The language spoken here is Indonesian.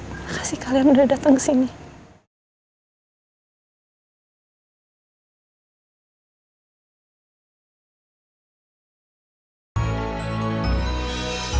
makasih kalian udah dateng ke rumahnya ya